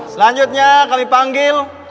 selanjutnya kami panggil